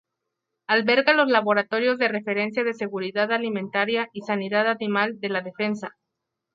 Alberga los Laboratorios de Referencia de Seguridad Alimentaria y Sanidad Animal de la Defensa.